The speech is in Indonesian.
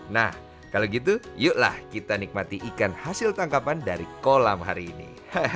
nah kalau gitu yuklah kita nikmati ikan hasil tangkapan dari kolam hari ini